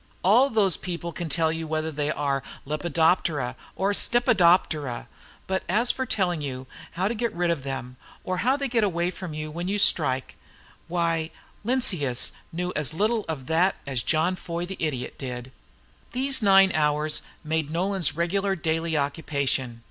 All those people can tell you whether they are Lepidoptera or Steptopotera; but as for telling how you can get rid of them, or how they get away from you when you strike them, why Linnaeus knew as little of that as John Foy the idiot did. These nine hours made Nolan's regular daily "occupation."